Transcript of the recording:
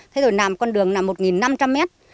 thế rồi nằm con đường nằm một năm trăm linh mét